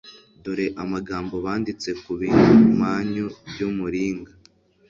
dore amagambo banditse ku bimanyu by'umuringa